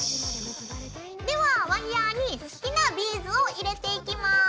ではワイヤーに好きなビーズを入れていきます。